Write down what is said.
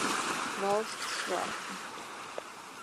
Valsts svētki